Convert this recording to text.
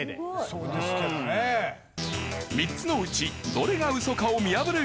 ３つのうちどれがウソかを見破るクイズ。